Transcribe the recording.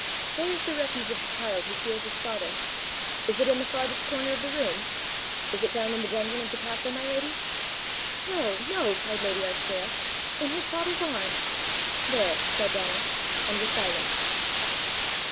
Where is the refuge of the child who fears his father? Is it in the farthest corner of the room? Is it down in the dungeon of the castle, my lady?" "No, no!" cried lady Arctura, " in his father's arms!" "There!" said Donal, and was silent.